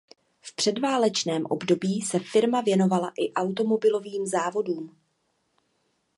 V předválečném období se firma věnovala i automobilovým závodům.